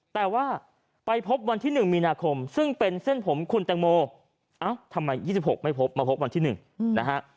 แต่ว่าไปพบวันที่หนึ่งมีนาคมซึ่งเป็นเส้นผมคุณแต่งโมอ้าวทำไมยี่สิบหกไม่พบมาพบวันที่หนึ่งอืมนะฮะ